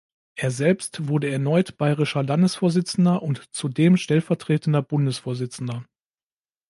Er selbst wurde erneut bayerischer Landesvorsitzender und zudem stellvertretender Bundesvorsitzender.